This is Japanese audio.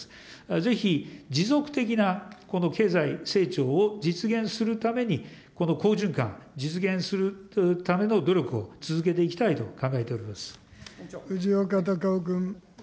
ぜひ、持続的なこの経済成長を実現するために、この好循環、実現するための努力を続けていきたいと考えておりま藤岡隆雄君。